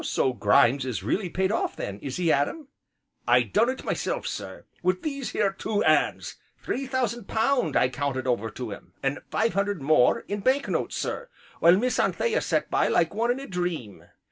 "So Grimes is really paid off, then, is he, Adam?" "I done it myself, sir, wi' these here two 'ands, Three thousand pound I counted over to him, an' five hundred more in banknotes, sir, while Miss Anthea sat by like one in a dream.